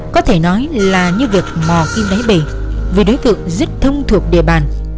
có thể nói là như việc mò kim đáy bể với đối tượng rất thông thuộc địa bàn